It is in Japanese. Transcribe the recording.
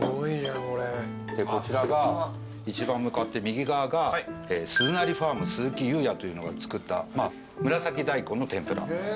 でこちらが一番向かって右側が鈴也ファーム鈴木優也というのが作った紫大根の天ぷら。